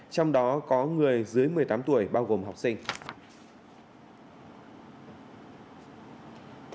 trong đó có người dưới một mươi tám tuổi bao gồm học sinh